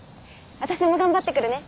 私も頑張ってくるね。